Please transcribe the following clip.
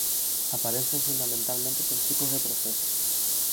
Aparecen fundamentalmente tres tipos de procesos.